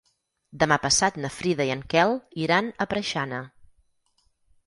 Demà passat na Frida i en Quel iran a Preixana.